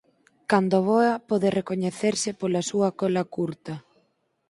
Cando voa pode recoñecerse pola súa cola curta.